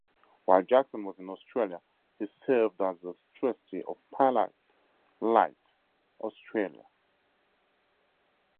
While Jackson was in Australia he served as a trustee of Pilotlight Australia.